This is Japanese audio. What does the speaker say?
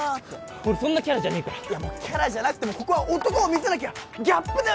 俺そんなキャラじゃねえからキャラじゃなくてもここは男を見せなきゃギャップだよ